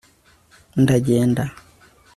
ndagenda